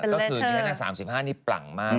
ก็คืออีกธันตร์๓๕นี่ปล่างมาก